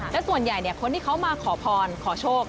และส่วนใหญ่คนที่เขามาขอพรขอโชค